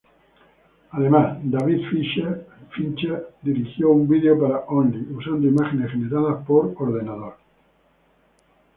Además, David Fincher dirigió un vídeo para "Only" usando imágenes generadas por computadora.